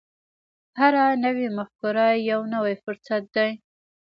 هره نوې مفکوره یو نوی فرصت دی.